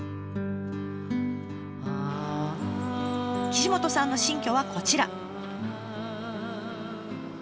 岸本さんの新居はこちら。